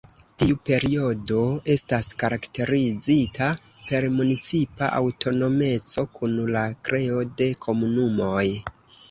Tiu periodo estas karakterizita per municipa aŭtonomeco, kun la kreo de komunumoj.